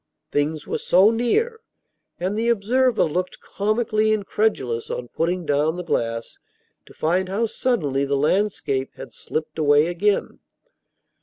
Things were so near! And the observer looked comically incredulous, on putting down the glass, to find how suddenly the landscape had slipped away again.